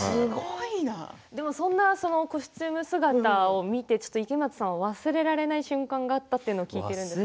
でも、そんなコスチューム姿を見て池松さんは忘れられない瞬間があったっていうのを聞いてるんですけど。